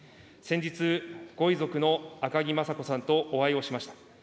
先日、ご遺族の赤木雅子さんとお会いをしました。